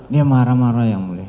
dia marah marah yang mulia